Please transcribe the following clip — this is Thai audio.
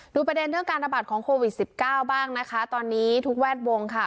ประเด็นเรื่องการระบาดของโควิดสิบเก้าบ้างนะคะตอนนี้ทุกแวดวงค่ะ